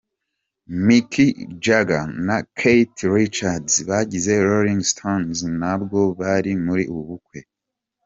Mick Jagger na Keith Richards, bagize Rolling stones ntabwo bari muri ubu bukwe.